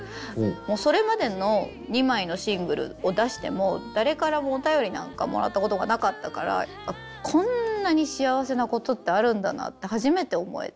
それまでの２枚のシングルを出しても誰からもお便りなんかもらったことがなかったからこんなに幸せなことってあるんだなって初めて思えて。